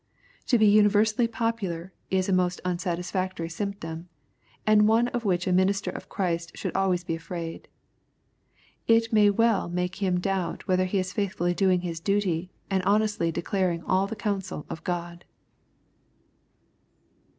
To be unversally popu lar is a most unsatisfactory symptom, and one of which a minis ter of Christ should always be afraid. It may well make him doubt whether he is faithfully doing his duty, and honestly de claring all the counsel of God.